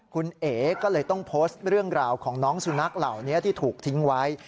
คุณเอ๋ก็เลยต้องโพสต์เรื่องราวของน้องสุนัขเหล่านี้ที่ถูกทิ้งไว้